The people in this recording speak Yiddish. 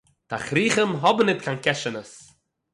תּכריכים האָבן ניט קיין קעשענעס.